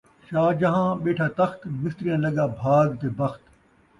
شاہ جہاں ٻیٹھا تخت ، مستریاں لڳا بھاڳ تے بخت